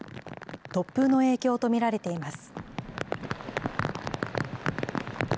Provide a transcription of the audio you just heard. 突風の影響と見られています。